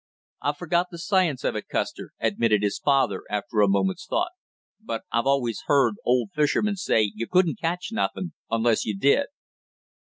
"I've forgot the science of it, Custer," admitted his father after a moment's thought. "But I've always heard old fishermen say you couldn't catch nothing unless you did."